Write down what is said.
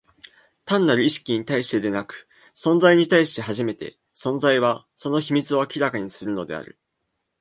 単なる意識に対してでなく、存在に対して初めて、存在は、その秘密を明らかにするのである。